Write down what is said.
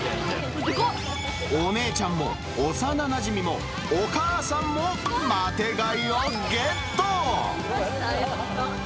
お姉ちゃんも幼なじみも、お母さんもマテ貝をゲット。